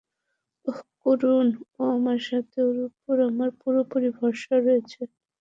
ওহ, কারুন, ও আমার সাথে ওর উপর আমার পুরোপুরি ভরসা রয়েছে।